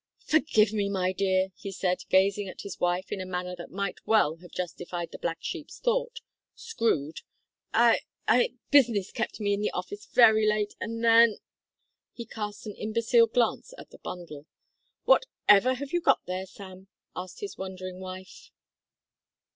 "Forgive me, my dear," he said, gazing at his wife in a manner that might well have justified the black sheep's thought, "screwed," "I I business kept me in the office very late, and then " He cast an imbecile glance at the bundle. "What ever have you got there, Sam?" asked his wondering wife.